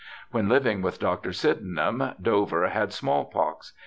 When living with Dr. Sydenham, Dover had small pox.